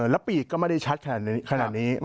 แล้วปีกก็ไม่ได้ชัดขนาดนี้